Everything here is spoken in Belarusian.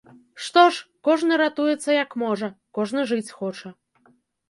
Што ж, кожны ратуецца, як можа, кожны жыць хоча.